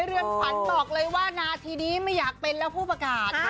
เรือนขวัญบอกเลยว่านาทีนี้ไม่อยากเป็นแล้วผู้ประกาศ